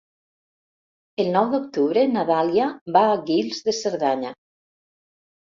El nou d'octubre na Dàlia va a Guils de Cerdanya.